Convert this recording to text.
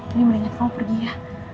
ini mendingan kamu pergi ya